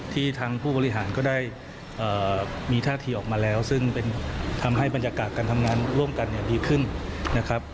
ทางผู้บริหารก็ได้มีท่าทีออกมาแล้วซึ่งเป็นทำให้บรรยากาศการทำงานร่วมกันเนี่ยดีขึ้นนะครับ